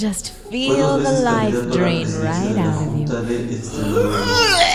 Fue dos veces candidato a la Presidencia de la Junta de Extremadura.